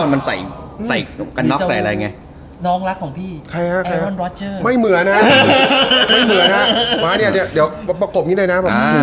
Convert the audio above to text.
ไม่เหมือนนะครับมานี่เดี๋ยวประกบนี้ด้วยนะ